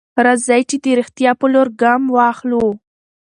راځئ چې د رښتيا په لور ګام واخلو.